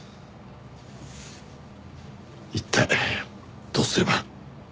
一体どうすれば。